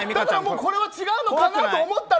これは違うのかなと思ったら。